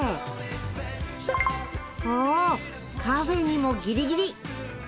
おカフェにもギリギリ！